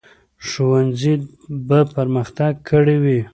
ښوونځي به پرمختګ کړی وي.